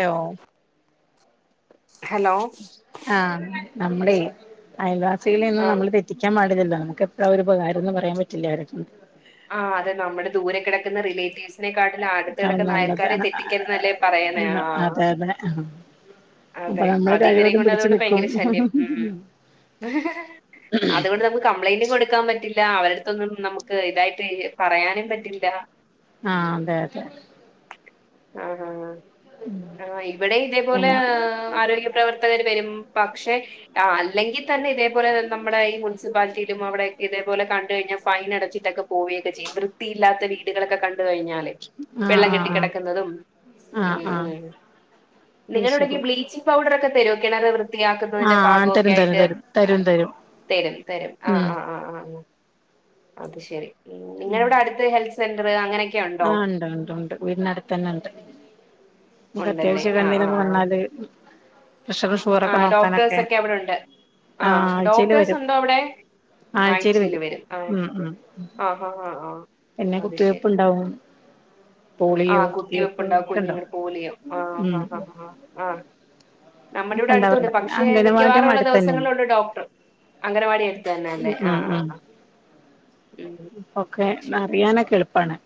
Law hello ആഹ് നമ്മളെയ് അയൽവാസികളേന്നും ആഹ് നമ്മള് പെ പറ്റിക്കാൻ പാടില്ലല്ലോ നമക്കെപ്പളാ ഒരുപകാരംന്ന് പറയാൻ പറ്റില്ലാലോ ആഹ് അതന്നെ നമ്മടെ ദൂരെ കെടക്ക്ന്ന റിലേറ്റീവ്സ് ഇന്നെക്കാട്ടിലും ഏറ്റവും ആദ്യത്തോലൊക്കെ നല്ലത് അയൽക്കാരെ ആഹ് തെറ്റിക്കരുത് എന്നല്ലേ പറയ്ന്നേ ആഹ് ആഹ് അതെ അതെ ആഹ് അപ്പൊ അതെ നമ്മള് അതിവരെ കഴിവതും കൊണ്ട് പിടിച്ചു അതോണ്ട് നിക്കും ഭയങ്കര ശല്യം ഹ്മ്മ് [inaudible] അതു കൊണ്ട് നമക്ക് കംപ്ലൈന്റും കൊട്ക്കാം പ റ്റില്ല അവരട്ത്തൊന്നും നമുക്ക് ഇതായിട്ട് പറയാനും പറ്റില്ല ആഹ് അതെ അതെ ആഹ്, ആഹ് ഇവടേം ഇതേ പോലെ പിന്നെ ആരെലും പ്രവർത്തകര് വെരും പക്ഷെ ആഹ് അല്ലെങ്കിൽ തന്നെ ഇതേ പോലെ നമ്മടെ ഈ മുൻസിപ്പാൽറ്റിയിലും അവടെ ഇതേ പോലെ കണ്ട് കഴിഞ്ഞാ ഫൈനടച്ചിട്ടൊക്കെ പോവെക്കെ ചെയ്യും വൃത്തിയില്ലാത്ത വീടുകളൊക്കെ കണ്ട് കഴിഞ്ഞാല്, ആഹ് വെള്ളം കെട്ടി ആഹ് കെടക്കുന്നതും ആഹ് ആഹ് അത് നിങ്ങളവിടൊക്കെ ശരി ബ്ലീച്ചിങ് പൗഡറൊക്കെ തരോ കിണറ് വൃ വൃത്തിയാക്കുന്നതിന്റെ ആഹ് ഭാഗൊക്കെ തരും തരും ആയിട്ട്. തരും തരും തരും തെരും തെരും ഉം ആഹ് ആഹ് ആഹ് ആഹ് ആഹ് അത് ശെരി നിങ്ങളവിടെ അടുത്ത് ഹെൽത്ത് സെന്ററ് അങ്ങനെ ആഹ് ഇ ണ്ട് ഇണ്ട് ഇണ്ട് വീടിനടുത്തന്നെണ്ട്. നമക്ക് ഉണ്ടല്ലേ അത്യാവിശ്യക്കെ ആഹ് ആഹ് എന്തേലൊക്കെ ആഹ് വന്നാല് പ്രഷർ ശു ആഹ് ഡോക്ടേഴ്സൊക്കെ അവിടൊണ്ട്. ആഹ് ആഴ്ചയില് വരും ഡോക്ടേഴ്സൊണ്ടോ അവിടെ ആഴ്ച്ചേല് വരും ആഹ് ഉം ഉം ആഹ് ആഹ് ആഹ് ആഹ് പിന്നെ അത് ശെരി കുത്തിവെപ്പ് ഇണ്ടാവും. ആഹ് കുത്തിവെപ്പ്ണ്ടാവും കുഞ്ഞുങ്ങളുടെ പോളിയോ ഉം ആഹ് ആഹ് ആഹ് നമ്മുടെ ഒക്കെ ഇവടെ അടുത്തുണ്ട് ഉണ്ടാവാറുണ്ട് പിന്നെ പക്ഷേ അംഗനവാടിയും മിക്കവാറുള്ള അടുത്ത് തന്നെയാണ് ദിവസങ്ങളുണ്ട് ഡോക്ടർ അംഗലവാടി എടുത്തന്നെല്ലേ ഉം ഉം ആഹ് ആഹ് ഉം ആഹ് ഉം [inaudible] ഒക്കെ അത് അറിയാനൊക്കെ എളുപ്പാണ്.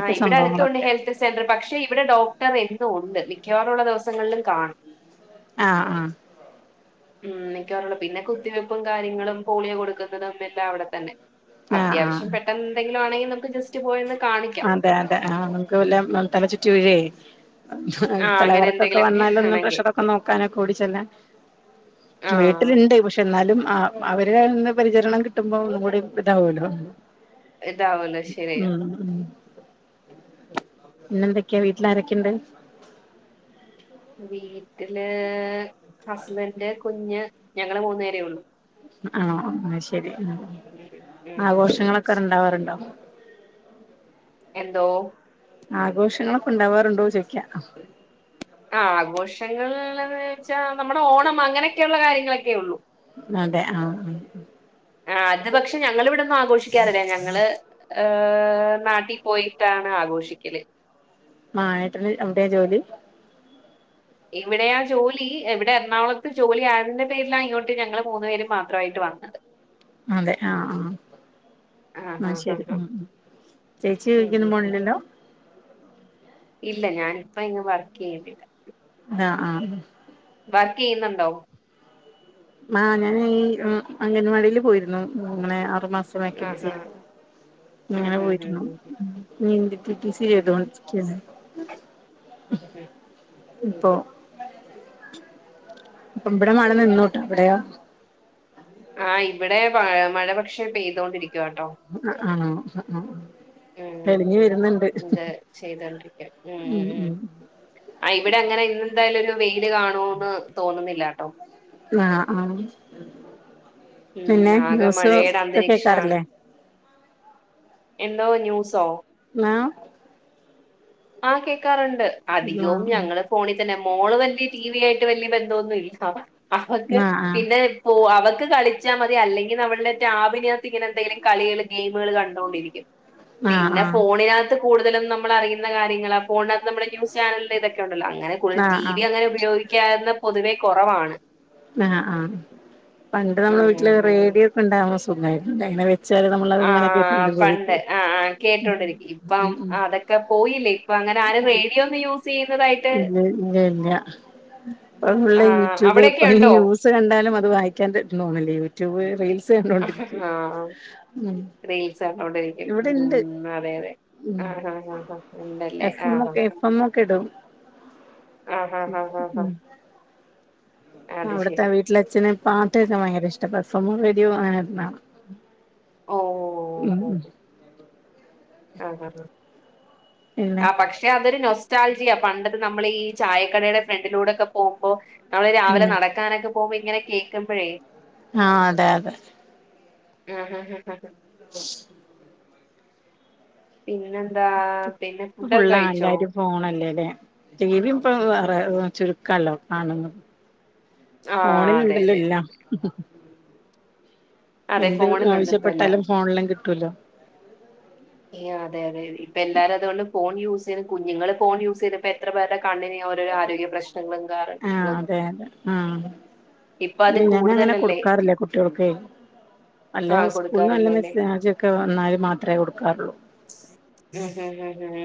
ആഹ് ഇവടടുത്തുണ്ട് സംഭവങ്ങളൊക്കെ ഹെൽ സെന്റർ പക്ഷെ ഇവടെ ഡോക്ടർ എന്നും ഉണ്ട് മിക്കവാറുള്ള ദിവസങ്ങളിലും കാണും. ആഹ് ആഹ് ഹ്മ്മ് മിക്കവാറും പിന്നെ കുത്തിവെപ്പും കാര്യങ്ങളും പോളിയോ കൊടുക്കുന്നതും എല്ലാം അവടെത്തന്നെ ആഹ് ആഹ് അത്യാവശ്യം പെട്ടൊന്നെന്തെങ്കിലും ആണെങ്കി നമുക്ക് ജസ്റ്റ് പോയൊന്ന് കാണിക്ക അതെ അതെ ആഹ് നമുക്ക് വല്ല തല ചുറ്റി വീഴേ ആ അങ്ങനെ തലകറ്ക്കൊക്കെ എന്തെങ്കിലുമൊക്കെ വന്നാലൊന്നും ആണെങ്കിൽ പ്രഷറൊക്കെ നോക്കാനൊക്കെ ഓടിച്ചെല്ല ആ വീട്ടില്ണ്ട് പക്ഷേ. എന്നാലും ആഹ് അവരുടെന്ന് പരിചരണം കിട്ടുമ്പം ഒന്നും കൂടി ഇതാവുല്ലോ. ഇതാവല്ലോ ശരിയാ മ് മ്. പിന്നെന്തൊക്കെ വീട്ടിൽ ആരെക്കെണ്ട്? വീട്ടില് ഹസ്ബന്റ് കുഞ്ഞ് ഞങ്ങള് മൂന്ന് പേരേ ഉള്ളു. ആഹ് അയ് ശരി മ് ഉം ഉം, ഉം. ആഘോഷങ്ങളൊക്കെ ടണ്ടാവാറുണ്ടോ? എന്തോ? ആഘോഷങ്ങളൊക്കെ ഉണ്ടാവാറുണ്ടോ ചോയിക്കൃ? ആഹ് ആഘോഷങ്ങള ളാഷ് വെച്ചാ നമ്മുടെ ഓണം അങ്ങനെക്കെയുള്ള കാര്യങ്ങളൊക്കെ ഉള്ളൂ. അതെ ആഹ് ആഹ്. ആഹ് അത് പക്ഷെ ഞങ്ങൾ ഇവിടന്നും ആഘോഷിക്കാറില്ല ഞങ്ങള്. ഏഹ് നാട്ടിൽ പ്പോയിട്ടാണ് ആഘോഷിക്കല്. ആഹ് ഏട്ടന് അവ്ടെ ജോലി? ഇവിടെയാ ജോലി എവിടെ എറ്ണാകുളത്ത് ജോലി ആയതിന്റെ പേരിലാ ഇങ്ങോട്ട് ഞങ്ങളെ മൂന്നു പേര് മാത്രമായിട്ട് വന്നത്. അതെ ആഹ് ആഹ്. ആഹ് ശരി ഉം ഉം ചേച്ചി [unintelligible] ഉം ക്കുന്നും ഉം ഉം പോണില്ലല്ലോ? ഇല്ല ഞാനിപ്പ ഇങ്ങ് വർക്ക് ചെയ്യുന്നില്ല. ആഹ് ആഹ്. വർക്ക് ചെയ്യുന്നുണ്ടോ? ആഹ് ഞാൻ ഈ അം അംഗൻവാടിൽ പോയിരുന്നു മ് ങ്ങനെ ആറുമാസ ആഹ് വാക്കൻസിൽ. ആഹ് അങ്ങനെ ഉം ഉം ഉം പോയിട്ടുണ്ടാവും ഉം നീ [unintelligible] ടി ടി സി ഉം ഉം ചെയ്തോണ്ടിരിക്ക [unintelligible] ഇപ്പോ. അപ്പോ ബ്ടെ മാണ [unintelligible] നിന്നോട്ടോ അവിടെയോ? ആഹ് ഇവിടെ പയ് മഴ പക്ഷേ പെയ്തോണ്ടിരിക്കുവാട്ടോ. അഹ ആഹ് അഹ ആഹ്. ഉം ഉം തെളിഞ്ഞ് ഉം വര്ന്ന്ണ്ട് ഉം ഉം. ആഹ് ഇവിടെ അങ്ങനെ ഇന്നെന്തായാലും ഒരു വെയില് കാണൂന്ന് തോന്നുന്നില്ലാട്ടോ. ആഹ് ആഹ് ഉം പിന്നെ ആകെ ന്യൂസ് മഴയുടെ ഒക്കെ അന്തരീക്ഷാണ് കേക്കാറില്ലേ? എന്തോ ന്യൂസോ? ങ്ങ. ആഹ് കേക്കാറ്ണ്ട് അധികോം ആഹ് ഞങ്ങള്. ഫോണി തന്നെ മോള് വല്ലൃ ടി വി ആയിട്ട് വല്ലൃ ബന്ധോന്നു ഇല്ല അവ അവക്ക് ആഹ് ആഹ് പിന്നെ. ആഹ് ഓ അവക്ക് കളിച്ചാ മതി അല്ലെങ്കിൽ അവള്ടെ ടാബിനാത്ത് ഇങ്ങനെന്തെങ്കിലും കളികൾ ഗെയിമുകൾ കണ്ടോണ്ടിരിക്കും. ആഹ് പിന്നെ ഫോണിനാത്ത് കൂടുതലും നമ്മളറിയു യുന്ന കാര്യങ്ങളാ ഫോണിനാത്ത് നമ്മള് ന്യൂസ് ചാനല്ന്റെ ഇതൊക്കെ ഒണ്ടല്ലോ അങ്ങനെ കൂട്ൽ ടി വി ആഹ് അങ്ങനെ ഉപയോഗി ക്ക്യാന്നെ പൊതുവെ കൊറവാണ്. ആഹ് ആഹ് പണ്ട് നമ്മള ഉം ഉം വീട്ടില് ഉം റേഡിയോ ഒക്കെണ്ടാവുമ്പ സുഖാര്ന്ന്ല്ലെ ങ്ങനെ വ ച്ചാല് നമ്മളത് ആ ഇങ്ങനെ കേട്ട് പണ്ട് [unintelligible] ആ ആ ഉം കേട്ടോണ്ടിരിക്കും ഇപ്പം ഉം ഉം. അതൊക്കെ പോയില്ലേ ഇപ്പൊ അങ്ങനെ ആരും ഉം റേഡിയോ ഒന്നും യൂസ് ചെയ്യുന്നതായിട്ട് ഇല്ല ഇല്ല ഇല്ല. ഇപ്പ ആ ഫുള്ള് യൂട്യൂബ് അവിടെയൊക്കെ ഈ ഉണ്ടോ ന്യൂസ് കണ്ടാലും അത് വായിക്കാൻ [unintelligible] യൂട്യൂബ് റീൽസ്. ആഹ് കണ്ടോണ്ടിരിക്കും അഹ് റീൽസ് കണ്ടോണ്ടിരിക്കും ഇവിടെണ്ട് ഉം അതെ അതെ. ആഹ് ആഹ് ആഹ് ആഹ് ഉണ്ടല്ലേ ആഹ് അഹ്. അമ്മൂക്കെ ഇടും ഹാ ഉം ഹാ ഹാ ഹാ ഉം. അത് അവിട്ത്തെ ശരി വീട്ട്ലെ അച്ഛന് പാട്ട് കേക്കാൻ ഭയങ്കര ഇഷ്ട പ്രെസംഗൊ റേഡിയോ അങ്ങനെന്തെ വേണം ഓഹ് ഉം ഉം ആഹ് ആഹ് പിന്നെ ആഹ് പക്ഷെ പക്ഷെ അതൊരു നൊസ്റ്റാൽജിയാ പണ്ടത്തെ നമ്മളീ ചായക്കടേടെ ഫ്രണ്ടിലൂടോക്കെ പോവുമ്പൊ നമ്മള് രാവിലെ ഉം നടക്കാനൊക്കെ പോവുമ്പോ ഇങ്ങനെ കേൾക്കുമ്പഴേ ആഹ് അതെ അതെ ആഹ് ഹ് പിന്നെന്താ പിന്നെ ഫുഡൊക്കെ ഫുള്ള് കഴിച്ചോ എല്ലാരും ഫോണല്ലേല്ലേ ടി വിം ഇപ്പ വേറെ ചുരുക്കാല്ലോ കാണുന്നത് ആഹ് അതെ ഫോണിലുണ്ടല്ലോ അതെ അതെ എല്ലാം അതെ എന്ത് ഫോണിലുണ്ട് ഇപ്പ എല്ലാം ആവശ്യപ്പെട്ടാലും ഫോണിലാം കിട്ടൂല്ലൊ അതെ അതെ ഇപ്പൊ എല്ലാരും അത്കൊണ്ട് ഫോൺ യൂസെയത് കുഞ്ഞുങ്ങള് ഫോൺ യൂസേയ്ത് ഇപ്പെത്ര പേർടെ കണ്ണിന ആഹ് അതെ അതെ ആഹ് ഇപ്പൊ അത് ഞാനങ്ങനെ കൂടുതലല്ലേ കൊടുക്കാറില്ല കുട്ടികൾക്കെ അല്ല ആഹ് ഉസ്കൂള് വല്ല കൊടുക്കാറില്ലല്ലേ മെസേജൊക്കെ വന്നാല് മാത്രെ കൊടുക്കാറുള്ളൂ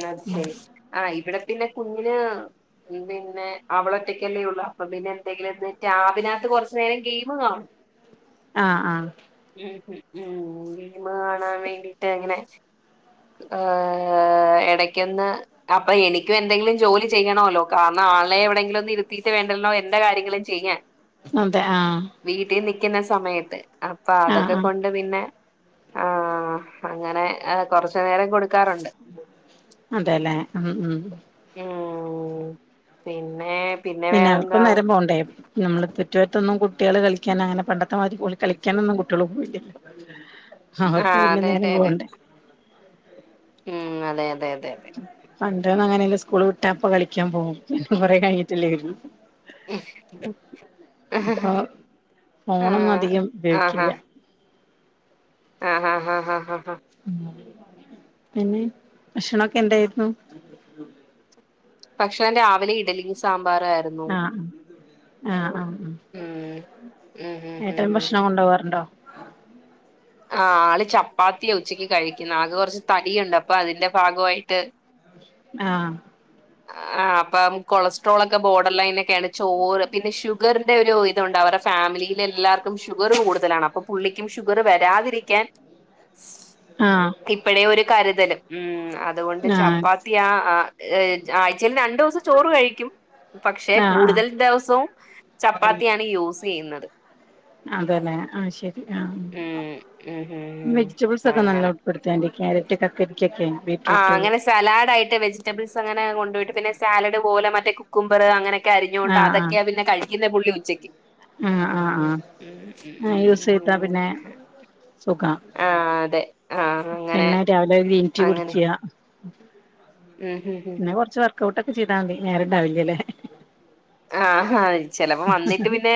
അത് ശരി ആഹ് ഇവിടെ പിന്നെ കുഞ്ഞിന് പിന്നെ അവള് ഒറ്റക്കല്ലേ ഒള്ള് അപ്പൊ പിന്നെ എന്തെങ്കിലൊന്ന് ടാബിനാത്ത് കൊറച്ച് നേരം ഗെയിമ് കാണും ആഹ് ആഹ് ഉം ഉം ഗെയിമ് കാണാൻ വേണ്ടീട്ട് ഇങ്ങനെ ആഹ് എടക്കൊന്ന് അപ്പ എനിക്കു എന്തെങ്കിലും ജോലി ചെയ്യണോല്ലൊ കാരണം ആളെ എവിടെങ്കിലൊന്ന് ഇര്ത്തീട്ട് വേണ്ടല്ലൊ എന്റെ കാര്യങ്ങളും ചെയ്യാൻ അതെ ആഹ് വീട്ടി നിക്കുന്ന സമയത്ത് അപ്പൊ ആഹ് അതൊക്കെ ആഹ് കൊണ്ട് പിന്നെ ആഹ് അങ്ങനെ കൊറച്ച് നേരം കൊട് അതേല്ലെ ഉം ഉം ഉം പിന്നെ പിന്നെ അവർക്കും നേരം പോണ്ടേ നമ്മള് തെറ്റ്പറ്റൊന്നും കുട്ടികള് കളിക്കാന് അങ്ങനെ പണ്ടത്തെമാരി ഓല് കളിക്കാനൊന്നും കുട്ടികൾ പോവില്ലല്ലോ അവർക്ക് ആഹ് പിന്നെ അതെ നേരം അതെ അതെ പോവണ്ടേ ഉം അതെ അതെ അതെ അതെ പണ്ട്ന്ന അങ്ങനല്ല സ്കൂള് വിട്ടാപ്പ കളിക്കാൻ പോവും കൊറെ കഴിഞ്ഞിട്ടില്ലെ വരുള്ളു ആഹ് അപ്പൊ ഫോണൊന്നും അധികം ഉപയോക്കില്ല ആഹ് ഹാ ഹാ ഹാഹാഹ പിന്നെ ഭക്ഷണൊക്കെ എന്തായിരുന്നു പക്ഷെ രാവിലെ ഇഡലി സാമ്പാറായിയിരുന്നു ആഹ് ആ ആഹ് ആ ഉം ഉം ഉം ഉം ഏട്ടൻ ഉം. ഭക്ഷണം കൊണ്ടപോവാറുണ്ടോ ആഹ് ആള് ചപ്പാത്തിയ ഉച്ചക്ക് കഴിക്കുന്ന ആകെ കുറച്ച് തടിയുണ്ട് അപ്പൊ അതിന്റെ ഭാഗമായിട്ട് ആഹ് ആഹ് അപ്പം കൊളസ്ട്രോൾ ഒക്കെ ബോർഡർ ലൈനൊക്കെയാണ് ചോറ് പിന്നെ ഷുഗറിന്റെറെ ഒരു തോണ്ട് അവടെ ഫാമിലിയില എല്ലാവർക്കും ഷുഗർ കൂടുതലാണ് അപ്പൊ പുള്ളിക്കും ഷുഗർ വരാതിരിക്കാൻ ആഹ് ഇപ്പഴേ ഒരു കരുതലും ഉ അതുകൊണ്ട് ആഹ് ചപ്പാത്തി ആഹ് ആ ഏഹ് ആഴ്ചയിൽ രണ്ടു ദിവസം ചോറ് കഴിക്കും പക്ഷെ ആഹ് ആഹ് കൂടുതൽ ദിവസവും ചപ്പാത്തിയാണ് യൂസ് ചെയ്യുന്നത് അതല്ലെ ആഹ് ശരി ആ ഉം ഉം ഉം വെജിറ്റബിൾസ് ഒക്കെ അങ്ങനെ നല്ല ഉൾപ്പെടുത്ത കാരറ്റ് കക്കരി കൊക്കെയ ആഹ് അങ്ങനെ സലാഡ് ആയിട്ട് വെജിറ്റബിൾസ് അങ്ങനെ കൊണ്ട പോയിട്ട് പിന്നെ സാലാഡ് പോലെ മറ്റെ കുക്കുംമ്പർ അങ്ങനെ അരിഞ്ഞുകൊണ്ട് ആഹ് ആഹ് അതൊക്കെ പിന്നെ കഴിക്കുന്ന പുള്ളി ഉച്ചക്ക് ആഹ് ആഹ് ആഹ് ഉം ഉം ഉം സുഖ ആഹ് അതെ ആഹ് അങ്ങനെ പിന്നെ രാവിലെ ഗ്രീൻ ടീ അങ്ങനെ കുടിക്കുക ഉം ഉം ഉം പിന്നെ ഉം കൊറച്ച വ കട്ടൊക്കെ ചെതാൽ മതി നേരണ്ടാവില്ലല്ലേ ആഹ് ചിലപ്പ വന്നിട്ട് പിന്നെ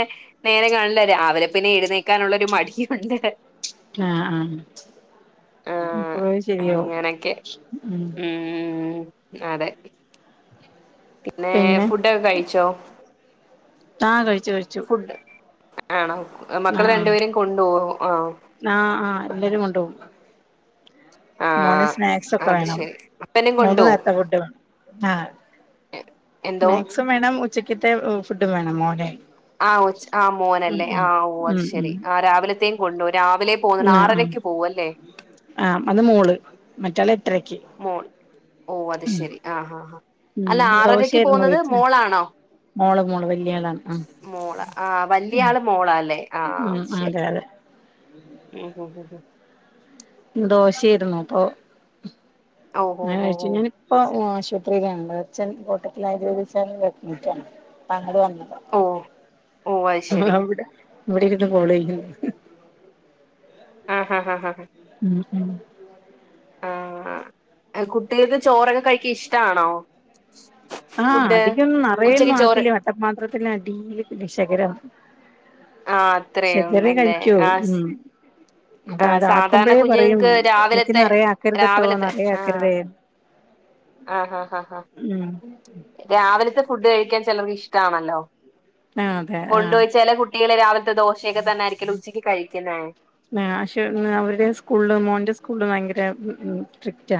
നേരെ കാണില്ല രാവിലെ പിന്നെ എഴുന്നേക്കാനുള്ളരു മടിയുണ്ട് ആഹ് ആഹ് ആഹ് അപ്പോ ശരിയാവും അങ്ങനൊക്കെ ഉ ഉം അതെ പിന്നെ ഫുഡൊക്കെ കഴിച്ചോ താ കഴിച്ചു കഴിച്ചു ഫുഡ് ആണോ മക്കൾ ആഹ് ആഹ് രണ്ടുപേരും കൊണ്ടുപോവോ ആഹ് ആഹ് ആഹ് എല്ലാരും കൊണ്ടപോകും മോന് ആഹ് സ്നാക്സ് ഒക്കെ അത് വേണം ശരി അപ്പനും മൂന്ന് കൊണ്ടോവും നേരത്തെ ഫുഡ് വേണം ആഹ് എ എന്തോ സ്നാക്സും വേണം ഉച്ചക്കത്തെ ഫുഡും വേണം മോനെ ആ ആ മോനല്ലേ ആ ഓ അത് ശരി ആ രാവിലത്തെയും കൊണ്ടു രാവിലെ പോകുന്നുണ്ട് എന്ന ആ ആറരക്ക് പോവും അല്ലേ ആഹ് അത് മോള് മറ്റാല എത്രക്ക് മോൾ ഓ അത് ശരി ആ ഹാ ആഹാ ഉം അല്ല ആറരക്ക് ദോശയായിരുന്നു പോകുന്നത് വീട്ടില് മോളാണോ മോള് മോള് വലിയയാളാണ് ആഹ് മോള് ആ വലിയ ആള് മോള അല്ലേ ഉം ആഹ്ശരി അതെ അതെ ഉം ഹ ഉ ദോശായിരുന്നു അപ്പൊ ഓഹ് അങ്ങനെ ഓഹ് കഴിച്ചു ഓഹ് ഞാൻ അപ്പൊ ആശുപത്രിയിലണ്ട് അച്ഛൻ കൂട്ടത്തിലായി ചോദിച്ചാല വെക്കട്ടാണ്ങ്ങട് വന്നത് ഓഹ് ഓഹ് ഓഹ് അത് ശരി വിടെ ഇവിടെ ഇന്ന് കോളയ്യും ആഹ് ആഹ് ഹാ ഉം ഉം ആഹ് കുട്ടികൾക്ക് ചോറൊക്കെ കഴിക്കാ ഇഷ്ടമാണോ ആഹ് അധികൊന്നും നിറയൊന്നും ഉച്ചക്ക് ചോറ് ആക്കല വട്ടപ്പാത്രത്തി അടില ശകരം ആഹ് അത്രേ ശഖര ഉള്ളല്ലേ കഴിക്കോ ആഹ് ഉം അതാ ആഹ് സാധാരണ അതാക്കുമ്പോഴേ പറയും കുഞ്ഞുങ്ങൾക്ക് എനിക്ക് രാവിലത്തെ നിറയെ ആക്കരുത്ട്ടോ രാവിലത്തെ നിറയെ ആഹ് ആക്കരുതേ ഉ ആഹ് ഹാ ആ ഹാ ഉം രാവിലത്തെ ഫുഡ് കഴിക്കാൻ ചിലർക്ക് ഇഷ്ടമാണല്ലോ? ആഹ് അതെ ആഹ് കൊണ്ടുപോയി ചെലകുട്ട കുട്ടികള് രാവിലത്തെ ദോശൊക്കെ തന്നൊയിരിക്കുവല്ലോ ഉച്ചയ്ക്ക് കഴിക്കുന്നേ? നാശ് അവരുടെ സ്കൂളില് മോന്റെ സ്കൂളില് ഭയങ്കര സ്ട്രിക്റ്റാ.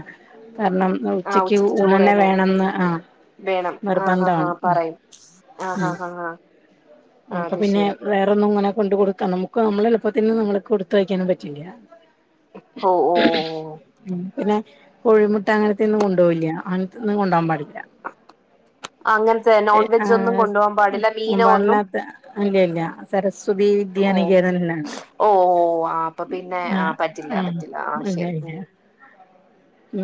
കാരണം ഉച്ചക്ക് ഊണ് തന്നെ വേണന്ന് ആഹ് വേണം നിർബന്ധമാണ് [unintelligible] ഉം പറയും ഉം [unintelligible] ആഹ് അപ്പൊ അത് പിന്നെ ശരി വേറൊന്നും ഇങ്ങനെ കൊണ്ട് കൊടുക്കാം നമ്മുക്ക് നമ്മള് എളുപ്പത്തിന് നമ്മക്ക് കൊടുത്തയക്കാൻ പറ്റില്ല. [inaudible] ഓ ഓ ഓ ഉം പിന്നെ കോഴിമുട്ട അങ്ങനത്തൊന്നും കൊണ്ടുപോകില്ല. അങ്ങനത്തൊന്നും കൊണ്ടു പോകാൻ പാടില്ല. അങ്ങനത്തെ നോൺ ഏഹ് വെജ് ഒന്നും കൊണ്ടുപോകാൻ പാടില്ല ആഹ് മീനോ ഒന്നും പാടില്ലാത്ത അല്ലല്ല സരസ്വതി വിദ്യാനികേതനിലാണ്. ഓ ഓ ആഹ് അപ്പൊ പിന്നെ ആഹ് പറ്റില്ല പറ്റില്ല ആഹ് ശരി ഉം.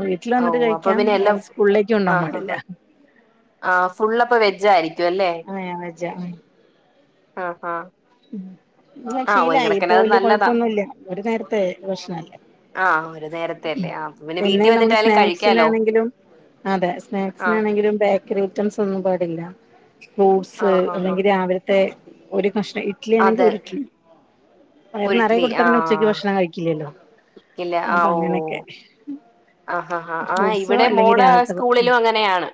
വീട്ടിൽ ഓ വന്നിട്ട് അപ്പൊ കഴിക്കാം. അല്ലാതെ സ്കൂളിലേക്ക് കൊണ്ടുപോവാൻ പാടില്ല. ആ ഫുള്ള് അപ്പോ വെജ് ആയിരിക്കും അല്ലേ. അങ്ങനെ വെച്ച ഉം ഹാ ഉം. അത് ശീലായി ഇപ്പ അത് വലിയ നല്ലതാ കൊഴപ്പൊന്നുമില്ല. ഒരു നേരത്തെ ഭക്ഷണല്ലേ ആഹ് ഒരു നേരത്തെ അല്ലേ ആഹ് പിന്നെ വീട്ടിൽ നമ്മള് വന്നിട്ടായാലും കഴിക്കാലോ? സ്നാക്സിനാണെങ്കിലും അതെ ആഹ് സ്നാക്സിനാണെങ്കിലും ബേക്കറി ഐറ്റംസ് ഒന്നും പാടില്ല. ഫ്രൂട്ട്സ് ആഹ് ആഹ് ആഹ് അല്ലെങ്കിൽ രാവിലെ മറ്റേ ഒരു കഷ്ണം ഇഡ്ലി ആണെങ്കിൽ അതെ ഒരു ഇഡ്ലി വയർ ഒരു നിറയെ ഇഡ്ലി കൊടുത്താൽ പിന്നെ ഉച്ചക്ക് ആഹ് ഭക്ഷണം കഴിക്കില്ലല്ലോ? ഇല്ല ഓ അപ്പൊ ഓ അങ്ങനെയൊക്കെ ആഹ് ആഹ് ആഹ് ഫ്രൂട്ട്സോ ഇവിടെ അല്ലെങ്കിൽ മോടെ രാവിലത്തെ സ്കൂളിലും അങ്ങനെയാണ്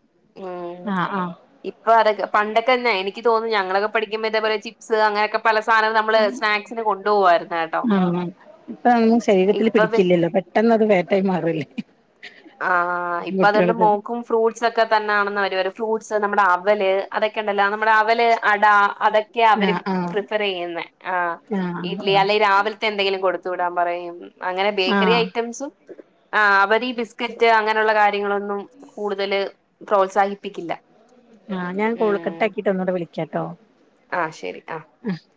ഉം ആഹ് ആഹ് അപ്പ അതൊക്കെ പണ്ടൊക്കെന്നെ എനിക്ക് തോന്നുന്നു ഞങ്ങളൊക്കെ പഠിക്കുമ്പം ഇതേ പോലെ ചിപ്സ് അങ്ങനൊക്കെ കേട്ടോ ആഹ് ആഹ് ഇപ്പൊ ഒന്നും ശരീരത്തിൽ ഇപ്പൊ പിടിക്കില്ലല്ലോ? പറ്റ പെട്ടെന്ന് അത് [unintelligible] മാറുവല്ലേ? ആഹ് ഇപ്പ അതുകൊണ്ട് മോക്കും ഫ്രൂട്ട്സ് ഒക്കെ തന്നാണന്ന് അവരു ഫ്രൂട്ട്സ് നമ്മുടെ അവല് അതൊക്കെ ഉണ്ടല്ലോ നമ്മടെ അവല്, അടാ, അതൊക്കെ അവര് ആഹ് ആഹ് പ്രിഫർ ചെയ്യുന്നേ ആഹ്. ഇഡ്ലി ആഹ് അല്ലെങ്കിൽ രാവിലത്തെ എന്തെങ്കിലും കൊടുത്തു വിടാൻ പറയും. അങ്ങനെ ബേക്കറി ആഹ് ഐറ്റംസും ആഹ് അവര് ഈ ബിസ്കറ്റ് അങ്ങനെയുള്ള കാര്യങ്ങളൊന്നും കൂടുതല് പ്രോത്സാഹിപ്പിക്കില്ല. ആഹ് ഞാൻ കോള് ഉം കട്ടാക്കീട്ട് ഒന്നൂടെ വിളിക്കട്ടോ. ആഹ് ശരി ആഹ് [unintelligible]